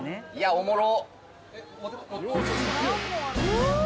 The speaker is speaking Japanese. おもろ。